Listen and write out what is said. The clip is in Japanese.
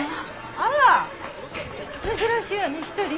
あら珍しいわね１人？